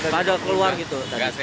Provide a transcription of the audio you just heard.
pada keluar gitu